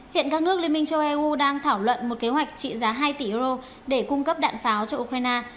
hiện các nước liên minh châu âu đang thảo luận một kế hoạch trị giá hai tỷ euro để cung cấp đạn pháo cho ukraine